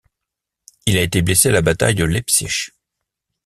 Il a été blessé à la Bataille de Leipzig.